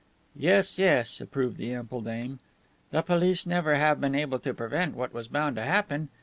"Yes, yes," approved the ample dame. "The police never have been able to prevent what was bound to happen.